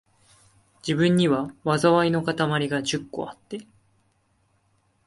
自分には、禍いのかたまりが十個あって、